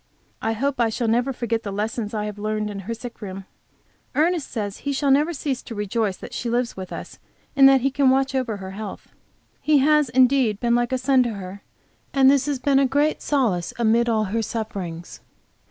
I hope I shall never forget the lessons I have learned in her sick room. Ernest says he never shall cease to rejoice that she lives with us, and that he can watch over her health. He, has indeed been like a son to her, and this has been a great solace amid all her sufferings.